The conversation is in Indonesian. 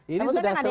ini sudah selesai